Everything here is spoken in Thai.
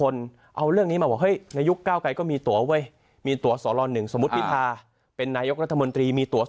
แล้วถ้าวันหนึ่งนะครับ